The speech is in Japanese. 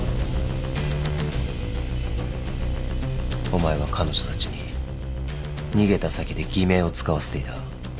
お前は彼女たちに逃げた先で偽名を使わせていた。